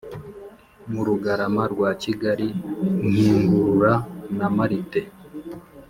Mu Rugarama rwa Kigali nkigurura na Marite